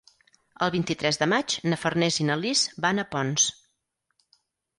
El vint-i-tres de maig na Farners i na Lis van a Ponts.